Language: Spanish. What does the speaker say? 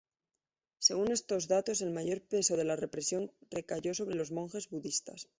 Según estos datos el mayor peso de la represión recayó sobre los monjes budistas.